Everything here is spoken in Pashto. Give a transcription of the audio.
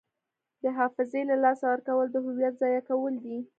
د حافظې له لاسه ورکول د هویت ضایع کول دي.